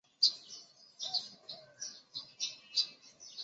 据说有时梦之神会背负着做梦者的灵魂。